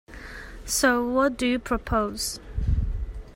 So, what do you propose?